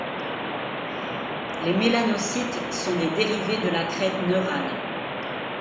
Les mélanocytes sont des dérivés de la crête neurale.